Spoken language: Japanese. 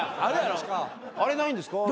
あれないんですか？